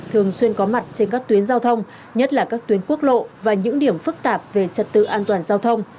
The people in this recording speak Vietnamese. thường xuyên có mặt trên các tuyến giao thông nhất là các tuyến quốc lộ và những điểm phức tạp về trật tự an toàn giao thông